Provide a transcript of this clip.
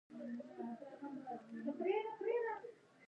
ښه چلند د پیرودونکي زړه ګټي.